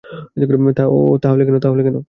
তো তাহলে কেন?